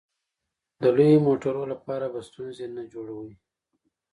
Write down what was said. د لویو موټرو لپاره به ستونزې نه جوړوې.